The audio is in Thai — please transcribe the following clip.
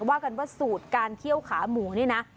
ว่ากันว่าสูตรการเคี่ยวขาหมูนี่นะ